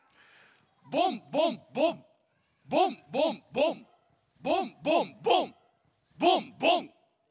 ボンボンボンボンボンボンボンボンボンボンボン。